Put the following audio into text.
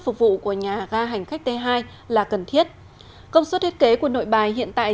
phục vụ của nhà ga hành khách t hai là cần thiết công suất thiết kế của nội bài hiện tại